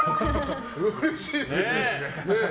うれしいですね。